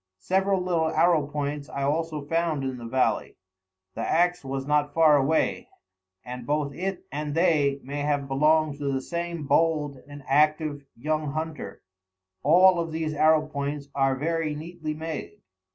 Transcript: Several little arrow points I also found in the valley. The axe was not far away, and both it and they may have belonged to the same bold and active young hunter. All of these arrow points are very neatly made.